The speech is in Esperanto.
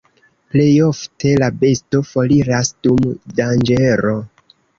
Plejofte la besto foriras dum danĝero.